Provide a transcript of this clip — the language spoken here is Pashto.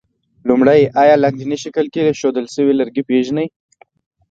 لومړی: آیا لاندیني شکل کې ښودل شوي لرګي پېژنئ؟